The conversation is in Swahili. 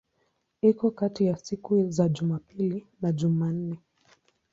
Iko kati ya siku za Jumapili na Jumanne.